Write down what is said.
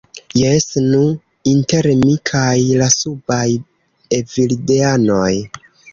Jes, nu, inter mi kaj la subaj evildeanoj.